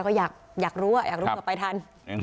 ก็อยากรู้อ่ะอยากรู้ก่อนไปทัน